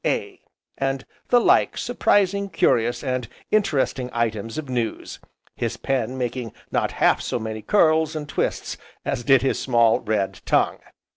A. and the like surprising, curious, and interesting items of news, his pen making not half so many curls, and twists as did his small, red tongue.